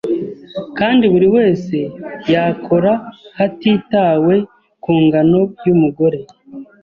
kandi buri wese yakora hatitawe ku ngano y’umugore